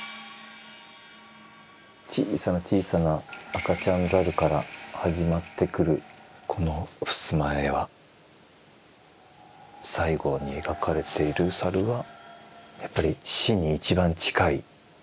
小さな小さな赤ちゃん猿から始まってくるこの襖絵は最後に描かれている猿はやっぱり死に一番近い。